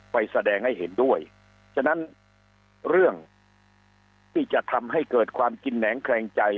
ไปแสดงให้เห็นด้วยฉะนั้นเรื่องที่จะทำให้เกิดความกินแหนงแคลงใจ